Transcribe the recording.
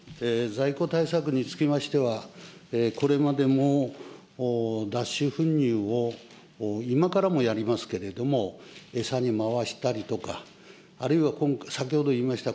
在庫対策につきましては、これまでも脱脂粉乳を今からもやりますけれども、餌に回したりとか、あるいは先ほど言いました、